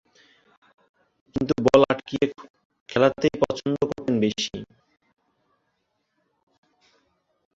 কিন্তু বল আটকিয়ে খেলাতেই পছন্দ করতেন বেশি।